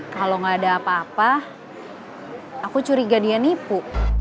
kalau gak ada apa apa aku curiga dia nipu